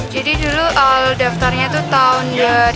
jadi dulu daftarnya itu tahun dua ribu sebelas